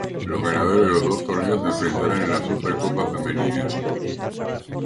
Los ganadores de los dos torneos se enfrentarán en la Súper Copa Femenina.